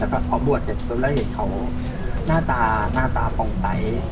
แล้วพอบวชเสร็จแล้วเห็นเขาหน้าตาหน้าตาฟองใจ